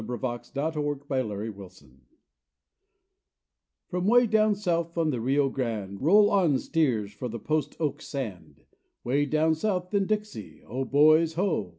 ] DOWN SOUTH ON THE RIO GRANDE From way down south on the Rio Grande, Roll on steers for the Post Oak Sand, Way down south in Dixie, Oh, boys, Ho.